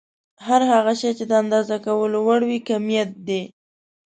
هر هغه شی چې د اندازه کولو وړ وي کميت دی.